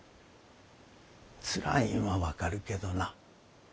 つらいんは分かるけどな。